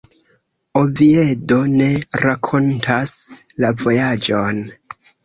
Oviedo ne rakontas la vojaĝon.